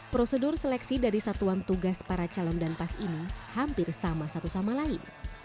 prosedur seleksi dari satuan tugas para calon dan pas ini hampir sama satu sama lain